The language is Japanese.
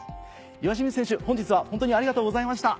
岩清水選手本日はホントにありがとうございました。